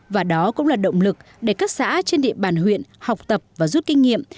và đó cũng là động lực để các xã trên địa bàn huyện học tập và rút kinh nghiệm